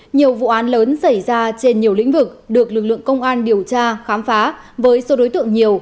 nhiều vụ án lớn xảy ra trên nhiều lĩnh vực được lực lượng công an điều tra khám phá với số đối tượng nhiều